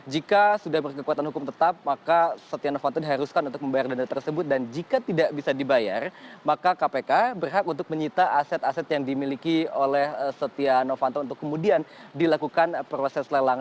jika sudah berkekuatan hukum tetap maka setia novanto diharuskan untuk membayar dana tersebut dan jika tidak bisa dibayar maka kpk berhak untuk menyita aset aset yang dimiliki oleh setia novanto untuk kemudian dilakukan proses lelang